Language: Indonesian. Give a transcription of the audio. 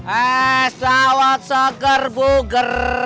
assalamualaikum soker buger